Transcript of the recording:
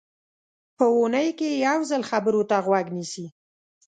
په اوونۍ کې یو ځل خبرو ته غوږ نیسي.